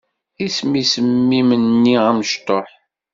Isem-is mmi-m-nni amectuḥ?